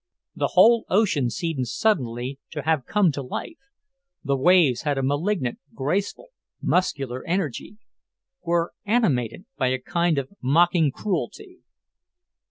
The whole ocean seemed suddenly to have come to life, the waves had a malignant, graceful, muscular energy, were animated by a kind of mocking cruelty.